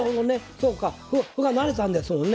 そうか歩が成れたんですもんね。